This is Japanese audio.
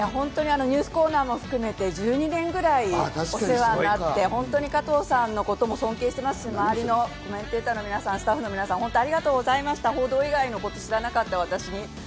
ニュースコーナーも含めて１２年ぐらいお世話になって、本当に加藤さんのことも尊敬していますし、周りのコメンテーターの皆さん、スタッフの皆さん、本当にありがとうございました。